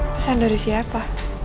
pesan dari siapa